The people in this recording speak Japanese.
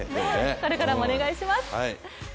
これからもお願いします。